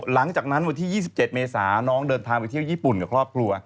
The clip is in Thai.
หลังจากนั้นวันที่๒๗เมษาน้องเดินทางไปเที่ยวญี่ปุ่นกับครอบครัว